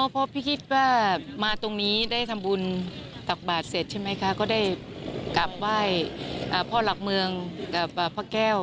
พอพี่คิดว่ามาตรงนี้ได้ทำบุญตักบาทเสร็จใช่ไหมคะก็ได้กลับไหว้พ่อหลักเมืองกับพระแก้ว